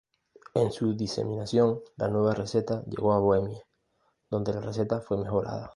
En su diseminación, la nueva receta llegó a Bohemia, donde la receta fue mejorada.